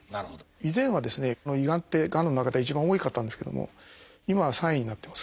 以前はですねこの胃がんってがんの中では一番多かったんですけども今は３位になってます。